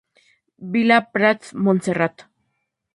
Vila Prat, Monserrat.